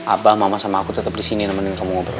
abah mama sama aku tetap di sini nemenin kamu ngobrol